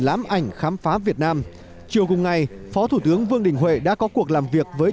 lãm ảnh khám phá việt nam chiều cùng ngày phó thủ tướng vương đình huệ đã có cuộc làm việc với